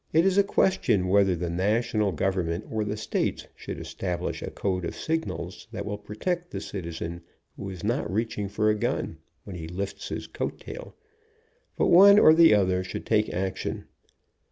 THE GUEST ON A COAL CARRIER IOI question whether the national government or the states should establish a code of signals that will pro tect the citizen who is not reaching for a gun, when he lifts his coat tail, but one or the other should take action.